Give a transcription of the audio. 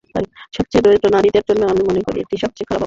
সবচেয়ে দরিদ্র নারীদের জন্য আমি মনে করি এটি সবচেয়ে খারাপ ব্যবস্থা।